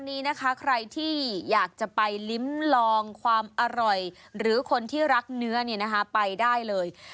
วันนี้นะคะใครที่อยากจะไปลิ้มลองความอร่อยหรือคนที่รักเนื้อเนี่ยนะคะไปได้เลย